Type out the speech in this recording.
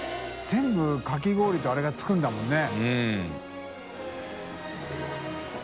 管かき氷とあれが付くんだもんね。